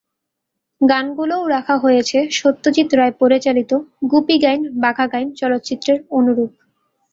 গানগুলোও রাখা হয়েছে সত্যজিৎ রায় পরিচালিত গুপী গাইন বাঘা বাইন চলচ্চিত্রের অনুরূপ।